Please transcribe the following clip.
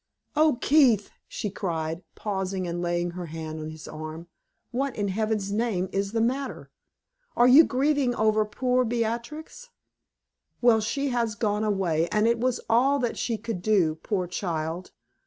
"Oh, Keith!" she cried, pausing and laying her hand on his arm, "what, in Heaven's name, is the matter? Are you grieving over poor Beatrix? Well, she has gone away, and it was all that she could do, poor child!